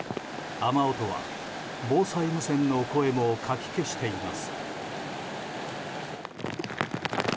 雨音は防災無線の声もかき消しています。